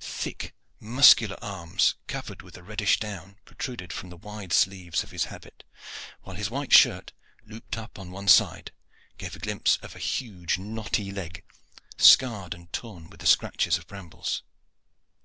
Thick, muscular arms, covered with a reddish down, protruded from the wide sleeves of his habit, while his white shirt, looped up upon one side, gave a glimpse of a huge knotty leg, scarred and torn with the scratches of brambles.